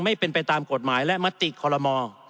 ไม่เป็นไปตามกฎหมายและมติคอลโลมอ